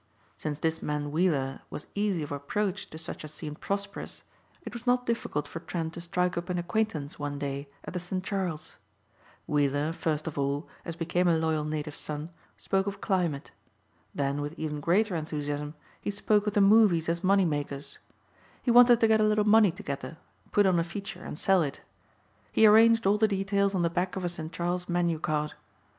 Since this man Weiller was easy of approach to such as seemed prosperous it was not difficult for Trent to strike up an acquaintance one day at the St Charles. Weiller first of all, as became a loyal native son, spoke of climate. Then with even greater enthusiasm he spoke of the movies as money makers. He wanted to get a little money together, put on a feature and sell it. He arranged all the details on the back of a St. Charles menu card.